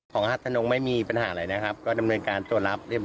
ฮัทธนงไม่มีปัญหาอะไรนะครับก็ดำเนินการตรวจรับเรียบ